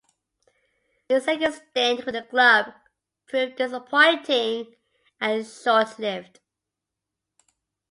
His second stint with the club proved disappointing and short-lived.